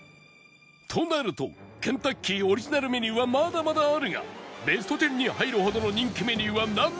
となるとケンタッキーオリジナルメニューはまだまだあるがベスト１０に入るほどの人気メニューはなんなのか？